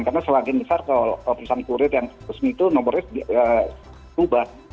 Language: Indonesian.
karena selagi besar kalau perusahaan kurir yang resmi itu nomornya berubah